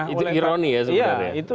itu ironi ya sebenarnya